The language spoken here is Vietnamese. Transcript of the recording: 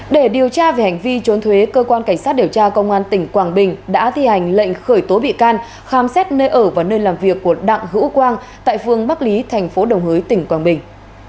để điều tra về hành vi trốn thuế cơ quan cảnh sát điều tra công an tỉnh quảng bình đã thi hành lệnh khởi tố bị can khám xét nơi ở và nơi làm việc của đặng hữu quang tại phương bắc lý thành phố đồng hới tỉnh quảng bình